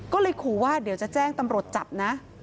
ก็เลยขู่ว่าเดี๋ยวจะแจ้งตำรวจจับนะ